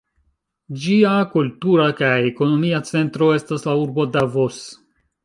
Ĝia kultura kaj ekonomia centro estas la urbo Davos.